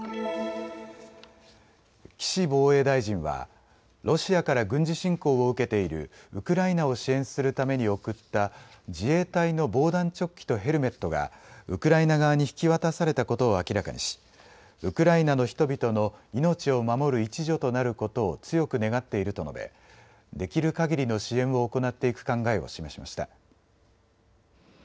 岸防衛大臣はロシアから軍事侵攻を受けているウクライナを支援するために送った自衛隊の防弾チョッキとヘルメットがウクライナ側に引き渡されたことを明らかにしウクライナの人々の命を守る一助となることを強く願っていると述べできるかぎりの支援を行っていく考えを示しました。